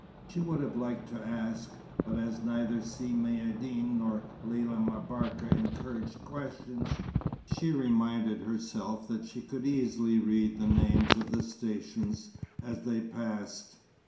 She would have liked to ask, but as neither Si Maïeddine nor Lella M'Barka encouraged questions, she reminded herself that she could easily read the names of the stations as they passed.